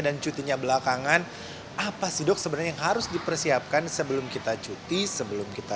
dan cutinya belakangan apa sih dok sebenarnya yang harus dipersiapkan sebelum kita cuti sebelum kita